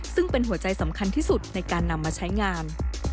ซึ่งเป็นหัวใจสำคัญที่สุดในการนำมาใช้งาน